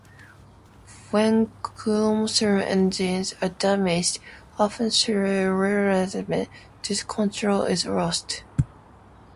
When chromosomes and genes are damaged, often through rearrangement, this control is lost.